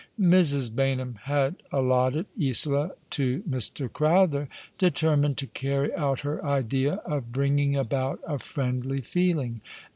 Mrs. Baynham had allotted Isola to Mr. Crowther, determined to carry out her idea of bringing about a friendly feeling.